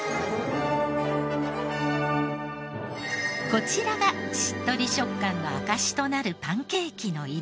こちらがしっとり食感の証しとなるパンケーキの色